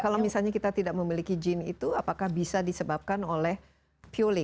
kalau misalnya kita tidak memiliki jin itu apakah bisa disebabkan oleh pulih